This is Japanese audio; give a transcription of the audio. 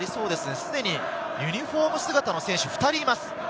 すでにユニホーム姿の選手が２人います。